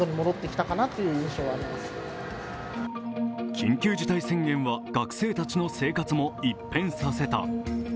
緊急事態宣言は学生たちの生活も一変させた。